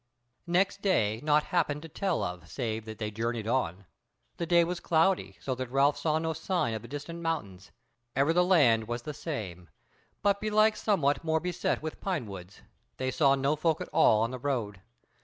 Next day naught happed to tell of save that they journeyed on; the day was cloudy, so that Ralph saw no sign of the distant mountains; ever the land was the same, but belike somewhat more beset with pinewoods; they saw no folk at all on the road.